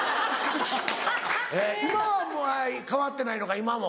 今は変わってないのか今も。